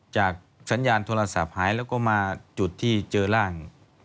จากสัญญาณโทรศัพท์หายแล้วก็มาจุดที่เจอร่าง